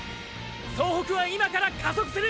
総北は今から加速する！！